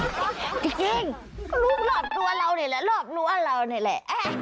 จริงรู้รอบตัวเราเนี่ยแหละรอบรั้วเราเนี่ยแหละ